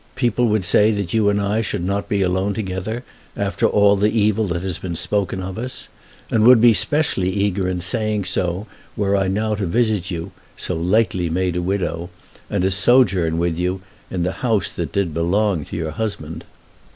"People would say that you and I should not be alone together after all the evil that has been spoken of us; and would be specially eager in saying so were I now to visit you, so lately made a widow, and to sojourn with you in the house that did belong to your husband.